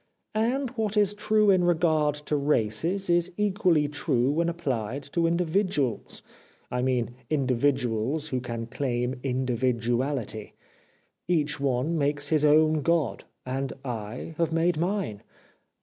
And what is true in regard to races is equally true when applied to individuals, I mean individuals who can claim individuality — each one makes his own God, and I have made mine.